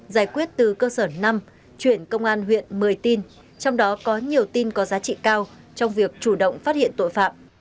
giải quyết từ cơ sở năm chuyển công an huyện một mươi tin trong đó có nhiều tin có giá trị cao trong việc chủ động phát hiện tội phạm